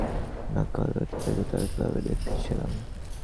না, কাল রাতে তাকে তার ক্লাবে দেখেছিলাম।